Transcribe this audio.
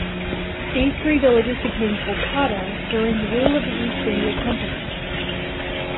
These three villages became Kolkata during the rule of East India Company.